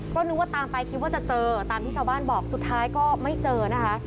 ก็นึกว่าตามไปคิดว่าจะเจอตามที่ชาวบ้านบอกสุดท้ายก็ไม่เจอนะคะ